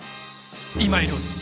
今井亮です。